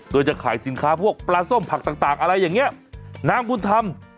โดยจะขายสินค้าพวกปลาส้มผักต่างต่างอะไรอย่างเงี้ยนางบุญธรรม